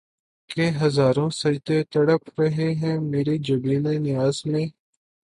کہ ہزاروں سجدے تڑپ رہے ہیں مری جبین نیاز میں